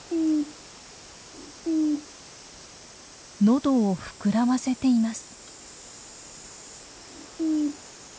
喉を膨らませています。